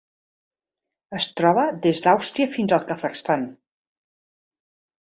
Es troba des d'Àustria fins al Kazakhstan.